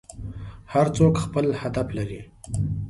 هر څوک خپل هدف لري.